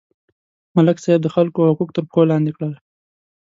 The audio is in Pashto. ملک صاحب د خلکو حقوق تر پښو لاندې کړي.